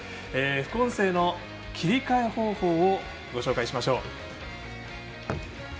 副音声の切り替え方法をご紹介しましょう。